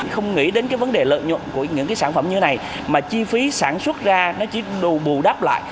không nghĩ đến cái vấn đề lợi nhuận của những cái sản phẩm như thế này mà chi phí sản xuất ra nó chỉ đủ bù đắp lại